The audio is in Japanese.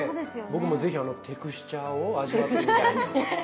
僕も是非あのテクスチャーを味わってみたいはい。